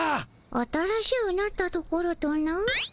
新しゅうなったところとな？